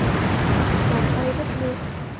Bàn tay rất nhẹ